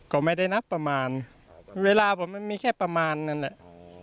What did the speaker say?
ก็ไม่ได้นับประมาณเวลาผมมันมีแค่ประมาณนั้นอ่ะ